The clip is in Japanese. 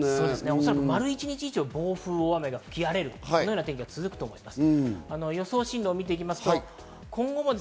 おそらく丸一日以上暴風が吹き荒れる、そういう状況が続くと思います。